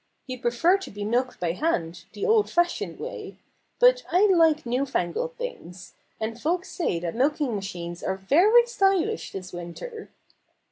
"You prefer to be milked by hand, the old fashioned way. But I like new fangled things. And folks say that milking machines are very stylish this winter."